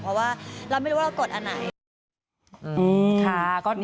เพราะว่าเราไม่รู้ว่าเรากดอันไหน